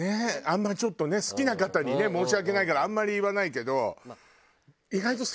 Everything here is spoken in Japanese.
あんまりちょっとね好きな方にね申し訳ないからあんまり言わないけど。